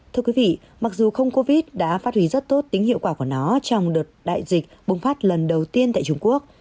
thưa quý vị mặc dù không covid đã phát huy rất tốt tính hiệu quả của nó trong đợt đại dịch bùng phát lần đầu tiên tại trung quốc